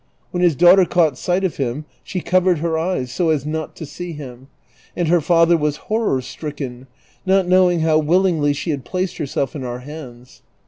When his daughter caught sight of him she covei ed her eyes so as not to see him, and her father was horror stricken, not knowing how willingly slie had placed herself in our hands.